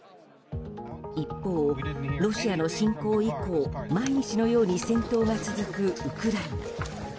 一方、ロシアの侵攻以降毎日のように戦闘が続くウクライナ。